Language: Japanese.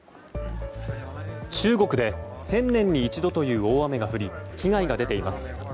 中国で１０００年に一度という大雨が降り被害が出ています。